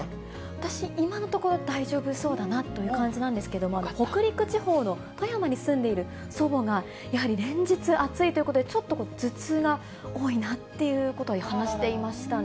私、今のところ、大丈夫そうだなという感じなんですけれども、北陸地方の富山に住んでいる祖母が、やはり連日、暑いということで、ちょっと頭痛が多いなっていうことを話していましたね。